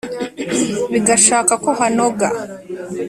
bigashaka ko hanoga: